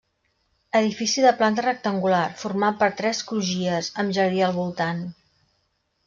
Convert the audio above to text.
Edifici de planta rectangular, format per tres crugies, amb jardí al voltant.